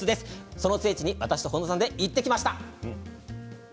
その聖地に私と本田さんで行ってきました。